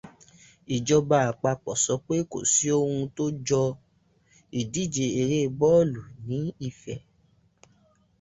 Ìjọba àpapọ̀ sọ pé kò sí ohun tó jọ ìdíje eré bọ́ọ̀lù ní Ifẹ̀